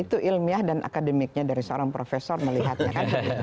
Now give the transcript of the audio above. itu ilmiah dan akademiknya dari seorang profesor melihatnya kan